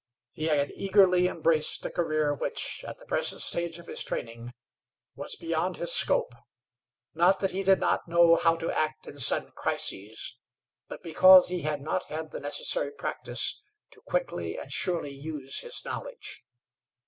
He had eagerly embraced a career which, at the present stage of his training, was beyond his scope not that he did not know how to act in sudden crises, but because he had not had the necessary practice to quickly and surely use his knowledge.